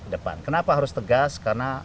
depan kenapa harus tegas karena